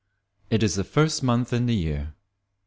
It is the first month in the year.